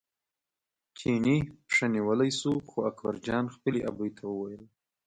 چیني پښه نیولی شو خو اکبرجان خپلې ابۍ ته وویل.